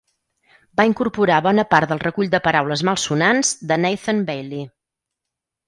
Va incorporar bona part del recull de paraules malsonants de Nathan Bailey.